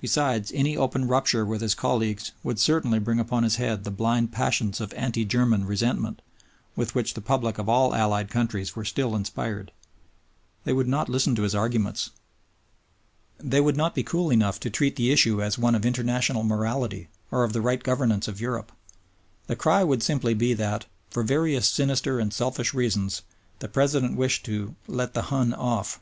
Besides, any open rupture with his colleagues would certainly bring upon his head the blind passions of "anti German" resentment with which the public of all allied countries were still inspired. They would not listen to his arguments. They would not be cool enough to treat the issue as one of international morality or of the right governance of Europe. The cry would simply be that, for various sinister and selfish reasons, the President wished "to let the Hun off."